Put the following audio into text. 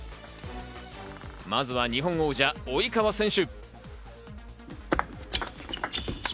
まずは日本王者・及川選手。